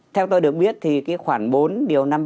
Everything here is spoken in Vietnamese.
theo tôi được biết thì khoảng bốn điều năm mươi ba